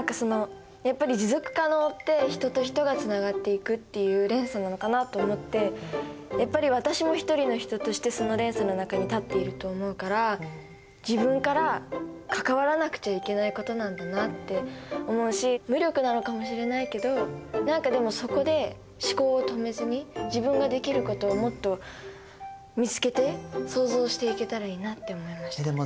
やっぱり持続可能って人と人とがつながっていくっていう連鎖なのかなと思ってやっぱり私も一人の人としてその連鎖の中に立っていると思うから自分から関わらなくちゃいけないことなんだなって思うし無力なのかもしれないけど何かでもそこで思考を止めずに自分ができることをもっと見つけて想像していけたらいいなって思いました。